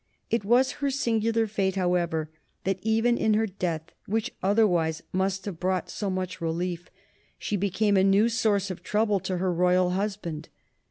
It was her singular fate, however, that even in her death, which otherwise must have brought so much relief, she became a new source of trouble to her royal husband.